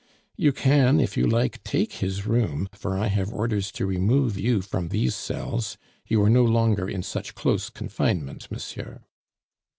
"You can, if you like, take his room, for I have orders to remove you from these cells; you are no longer in such close confinement, monsieur."